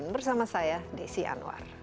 bersama saya desi anwar